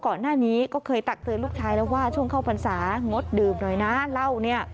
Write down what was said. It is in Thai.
ก่อนหน้านี้ก็เคยตักเตือนลูกชายแล้วว่าช่วงเข้าพรรษางดดื่มหน่อยนะเหล้าเนี่ย